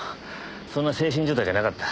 そんな精神状態じゃなかった。